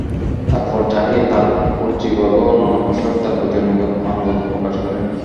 তারপর যাহির, তার উযীরবর্গ ও অন্যান্য প্রশাসক তার প্রতি আনুগত্য প্রকাশ করেন।